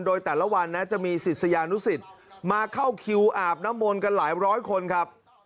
โดยแต่ละวันนะจะมีศิษยานุสิตมาเข้าคิวอาบน้ำมนต์กันหลายร้อยคนครับ